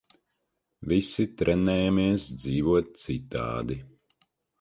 Visi trenējamies dzīvot citādi.